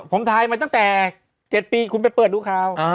ผมทายมาตั้งแต่๗ปีคุณไปเปิดดูข่าว